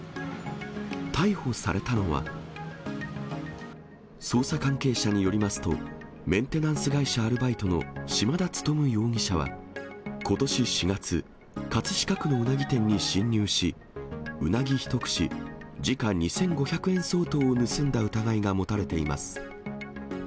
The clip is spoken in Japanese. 逮捕されたのは、捜査関係者によりますと、メンテナンス会社アルバイトの島田勤容疑者はことし４月、葛飾区のウナギ店に侵入し、ウナギ１串、時価２５００円相当を盗んだ疑いが持たれています。